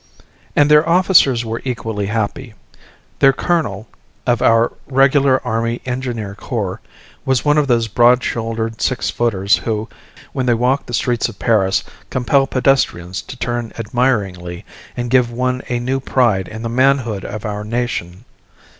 And their officers were equally happy. Their colonel, of our regular Army Engineer Corps, was one of those broad shouldered six footers who, when they walk the streets of Paris, compel pedestrians to turn admiringly and give one a new pride in the manhood of our nation.